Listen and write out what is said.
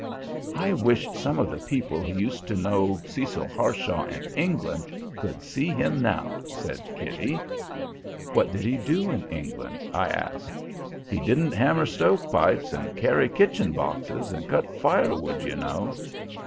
"I wish some of the people who used to know Cecil Harshaw in England could see him now," said Kitty. "What did he do in England?" I asked. "He didn't hammer stovepipes and carry kitchen boxes and cut fire wood, you know."